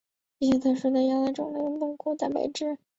一些特殊类型药物的蛋白靶点包括结构蛋白和细胞内蛋白。